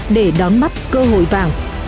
để đón mắt cơ hội vàng